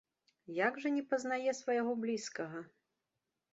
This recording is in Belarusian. Як жа не пазнае свайго блізкага!